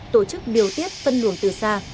tổ chức biểu tiết phân luồng từ xa